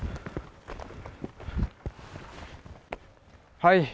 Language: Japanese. はい。